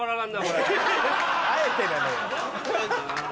あえてなのよ。